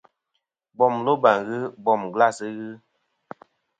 Bom loba ghɨ, bom glas ghɨ.